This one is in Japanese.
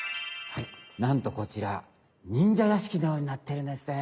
なんとこちらにんじゃやしきのようになってるんですね。